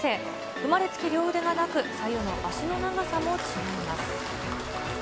生まれつき両腕がなく、左右の足の長さも違います。